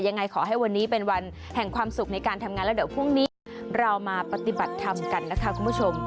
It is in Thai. ยังไงขอให้วันนี้เป็นวันแห่งความสุขในการทำงานแล้วเดี๋ยวพรุ่งนี้เรามาปฏิบัติธรรมกันนะคะคุณผู้ชม